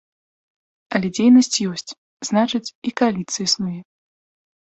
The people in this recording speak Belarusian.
Але дзейнасць ёсць, значыць, і кааліцыя існуе.